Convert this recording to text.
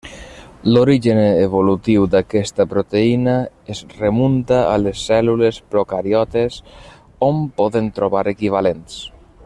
L'origen evolutiu d'aquesta proteïna es remunta a les cèl·lules procariotes, on poden trobar equivalents.